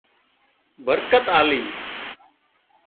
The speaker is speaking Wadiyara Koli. برڪت آلي